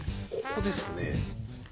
「ここですね」？